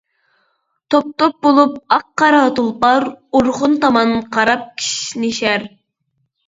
توپ-توپ بولۇپ ئاق-قارا تۇلپار، ئورخۇن تامان قاراپ كىشنىشەر.